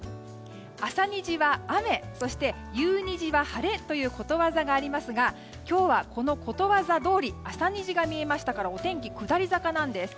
朝虹は雨そして、夕虹は晴れということわざがありましたが今日はこのことわざどおり朝虹が見えましたからお天気、下り坂なんです。